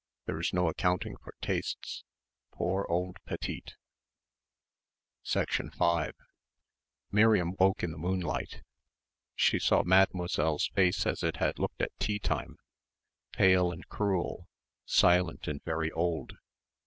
There's no accounting for tastes. Poor old Petite." 5 Miriam woke in the moonlight. She saw Mademoiselle's face as it had looked at tea time, pale and cruel, silent and very old.